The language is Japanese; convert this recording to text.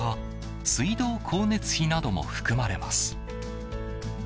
水道・光熱費なども含まれます。